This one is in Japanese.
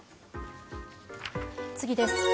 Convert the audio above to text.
次です。